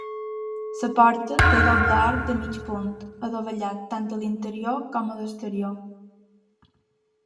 La porta té doble arc de mig punt adovellat tant a l'interior com a l'exterior.